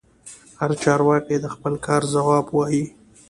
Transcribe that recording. هر چارواکي د خپل کار ځواب وايي.